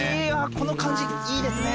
この感じいいですね。